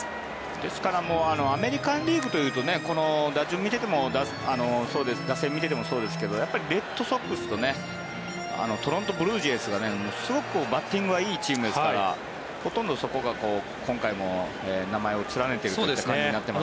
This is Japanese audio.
ですからアメリカン・リーグというと打席を見ていてもそうですけどレッドソックスとトロント・ブルージェイズがすごくバッティングはいいチームですからほとんどそこが今回も名前を連ねているという感じになっています。